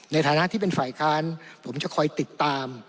ในฐานะที่เป็นฝ่ายค้านผมจะคอยติดตาม